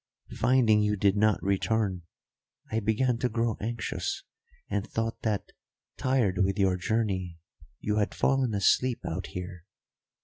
Finding you did not return, I began to grow anxious, and thought that, tired with your journey, you had fallen asleep out here.